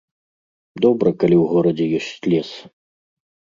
Добра, калі ў горадзе ёсць лес.